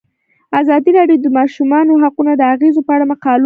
ازادي راډیو د د ماشومانو حقونه د اغیزو په اړه مقالو لیکلي.